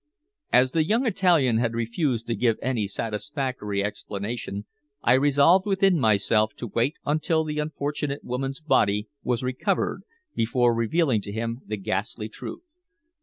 As the young Italian had refused to give any satisfactory explanation, I resolved within myself to wait until the unfortunate woman's body was recovered before revealing to him the ghastly truth.